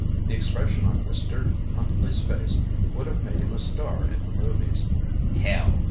The expression on Mr. Huntley's face would have made him a star in the "movies." "Hell!"